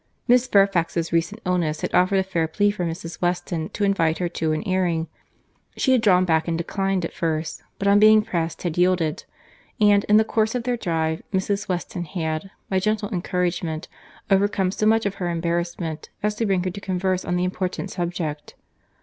Miss Fairfax's recent illness had offered a fair plea for Mrs. Weston to invite her to an airing; she had drawn back and declined at first, but, on being pressed had yielded; and, in the course of their drive, Mrs. Weston had, by gentle encouragement, overcome so much of her embarrassment, as to bring her to converse on the important subject.